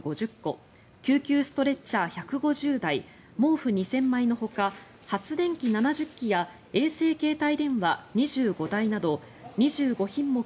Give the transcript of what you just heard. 救急ストレッチャー１５０台毛布２０００枚のほか発電機７０基や衛星携帯電話２５台など２５品目